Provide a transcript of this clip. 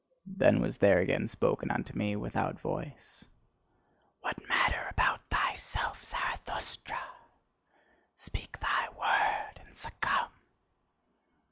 Then was there again spoken unto me without voice: "What matter about thyself, Zarathustra! Speak thy word, and succumb!"